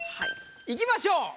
いきましょう。